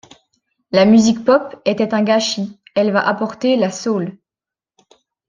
La musique pop était un gâchis, elle va apporter la soul.